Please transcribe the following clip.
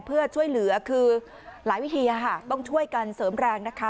เพื่อช่วยเหลือคือหลายวิธีต้องช่วยกันเสริมแรงนะคะ